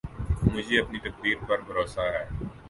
مجھے اپنی تقدیر پر بھروسہ ہے